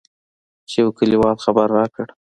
چې يوه کليوال خبر راکړ.